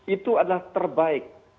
itu adalah terbaik